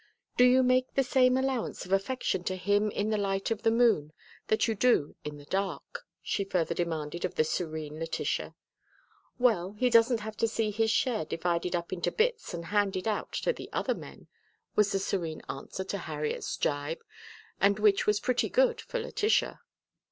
"Do you make the same allowance of affection to him in the light of the moon that you do in the dark?" she further demanded of the serene Letitia. "Well, he doesn't have to see his share divided up into bits and handed out to the other men," was the serene answer to Harriet's gibe and which was pretty good for Letitia.